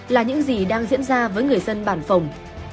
là những gì đang diễn ra với người dân bản phòng